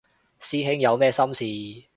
師兄有咩心事